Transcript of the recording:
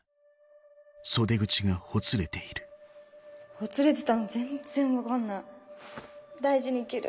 ほつれてたの全然分かんない大事に着る